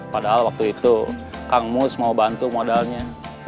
padahal waktu itu kang mus mau bantu modalnya